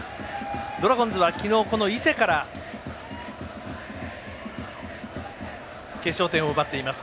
ドラゴンズは昨日、伊勢から決勝点を奪っています。